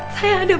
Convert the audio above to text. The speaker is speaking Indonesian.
saya ada berharga